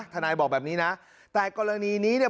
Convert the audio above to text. แต่เกษตร์ทราบนี้เนี่ย